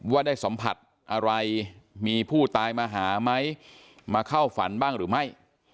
ว่าได้สัมผัสอะไรมีผู้ตายมาหาไหมมาเข้าฝันบ้างหรือไม่